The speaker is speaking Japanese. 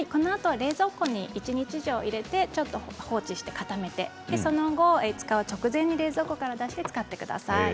冷蔵庫に一日以上入れて放置して固めて、そのあと使う直前に冷蔵庫から出して使ってください。